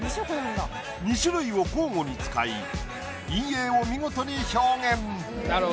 ２種類を交互に使い陰影を見事に表現。